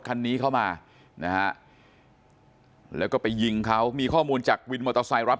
คันนี้เข้ามานะฮะแล้วก็ไปยิงเขามีข้อมูลจากวินมอเตอร์ไซค์รับ